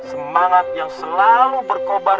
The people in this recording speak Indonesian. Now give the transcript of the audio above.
semangat yang selalu berkobar